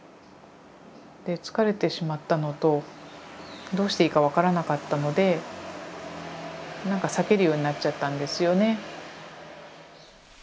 で疲れてしまったのとどうしていいか分からなかったのでなんか避けるようになっちゃったんですよね。